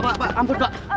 pak pak ampun pak